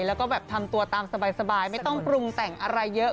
แล้วก็แบบทำตัวตามสบายไม่ต้องปรุงแต่งอะไรเยอะ